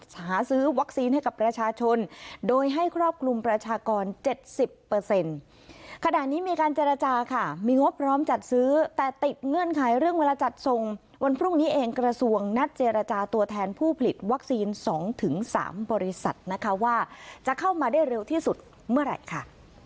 แทนผู้ผลิตวัคซีนสองถึงสามบริษัทนะคะว่าจะเข้ามาได้เร็วที่สุดเมื่อไหร่ค่ะ